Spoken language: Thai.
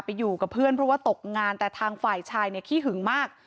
อยู่กับเพื่อนเพราะว่าตกงานแต่ทางฝ่ายชายเนี่ยขี้หึงมาก